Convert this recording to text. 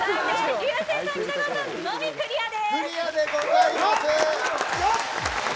竜星さん、北川さんのみクリアです。